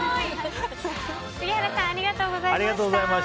杉原さんありがとうございました。